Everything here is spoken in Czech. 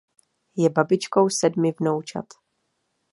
Je babičkou sedmi vnoučat.